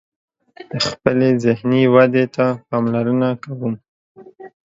خپلی ذهنی ودي ته پاملرنه کوم